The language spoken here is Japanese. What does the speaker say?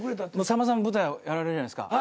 さんまさん舞台やられるじゃないですか。